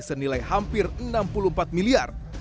senilai hampir enam puluh empat miliar